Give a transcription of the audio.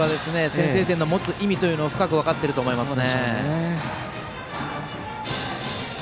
先制点の持つ意味を深く分かっていると思いますね。